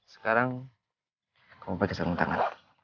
sekarang kamu pake sarung tangan